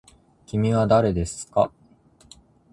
きみはだれですか。